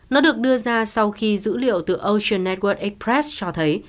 nó được đưa ra sau khi dữ liệu từ ocean eard express cho thấy